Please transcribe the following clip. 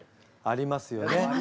ありますよね。